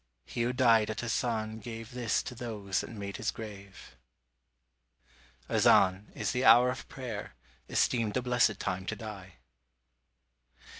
He who died at Asan gave This to those that made his grave. SIR EDWIN ARNOLD. The hour of prayer; esteemed a blessed time to die.